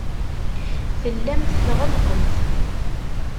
Tellamt tɣellqemt.